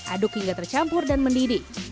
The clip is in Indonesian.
aduk hingga tercampur dan mendidih